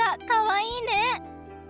かわいいね！